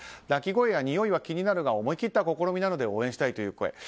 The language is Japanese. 鳴き声やにおいは気になるが思い切った試みなので応援したいという声。